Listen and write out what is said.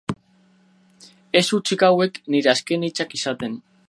Ez utzi hauek nire azken hitzak izaten.